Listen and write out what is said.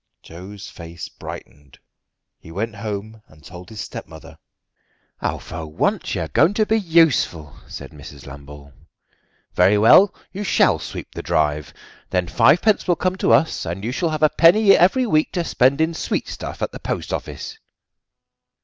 Joe's face brightened. He went home and told his stepmother. "For once you are going to be useful," said Mrs. Lambole. "Very well, you shall sweep the drive; then fivepence will come to us, and you shall have a penny every week to spend in sweetstuff at the post office."